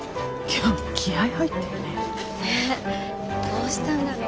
今日気合い入ってるね。